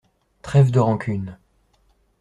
Trêve de rancunes.